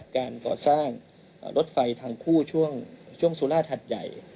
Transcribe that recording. การก่อสร้างรถไฟทางคู่ช่วงสุราชหัดใหญ่